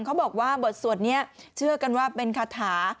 เขาบอกว่าบทสวดนี้เชื่อกันว่าเป็นคาถา